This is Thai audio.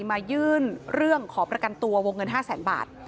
มายื่นเรื่องขอประกันตัววงเงิน๕แสนบาท